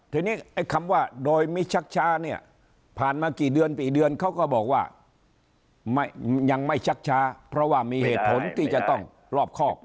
ทีนี้ไอ้คำว่าโดยมิชักช้าเนี่ยผ่านมากี่เดือนกี่เดือนเขาก็บอกว่ายังไม่ชักช้าเพราะว่ามีเหตุผลที่จะต้องรอบครอบ